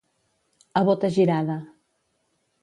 A bota girada.